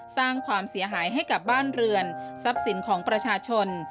สร้างความเสียหายให้กับบ้านเรือนทรัพย์สินของประชาชน